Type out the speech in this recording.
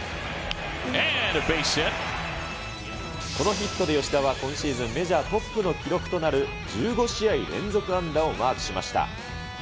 このヒットで、吉田は今シーズンメジャートップの記録となる１５試合連続安打をマークしました。